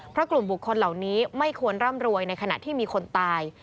เพราะกลุ่มบุคคลเหล่านี้ไม่ควรร่ำรวยในขณะที่มีคนตาย